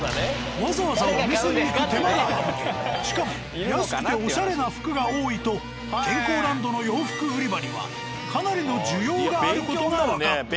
わざわざお店に行く手間が省けしかも安くてオシャレな服が多いと健康ランドの洋服売り場にはかなりの需要がある事がわかった。